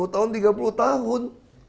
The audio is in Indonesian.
dua puluh tahun tiga puluh tahun